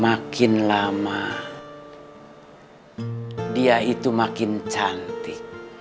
makin lama dia itu makin cantik